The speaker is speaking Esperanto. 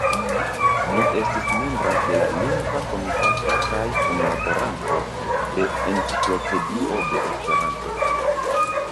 Li estis membro de la Lingva Komitato kaj kunlaboranto de "Enciklopedio de Esperanto".